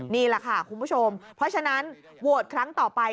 นี่แหละค่ะคุณผู้ชมเพราะฉะนั้นโหวตครั้งต่อไป